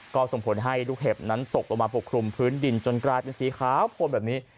ก็ส่งผลให้ลูกเห็บนั้นตกลงมาปกคลุมพื้นดินจนกลายเป็นสีขาวโพนแบบนี้